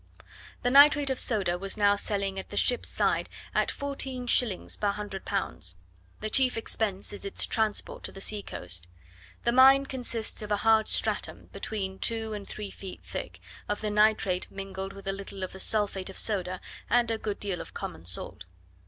The nitrate of soda was now selling at the ship's side at fourteen shillings per hundred pounds: the chief expense is its transport to the sea coast. The mine consists of a hard stratum, between two and three feet thick, of the nitrate mingled with a little of the sulphate of soda and a good deal of common salt.